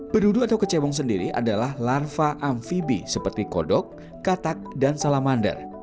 berdudu atau kecebong sendiri adalah larva amfibi seperti kodok katak dan salamander